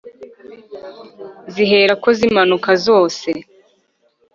zihera ko ziramanuka zose